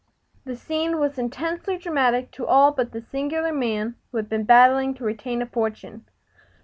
The scene was intensely dramatic to all but the singular man who had been battling to retain a fortune.